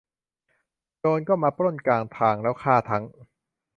โจรก็มาปล้นกลางทางแล้วฆ่าทั้ง